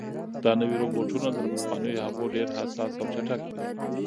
دا نوي روبوټونه تر پخوانیو هغو ډېر حساس او چټک دي.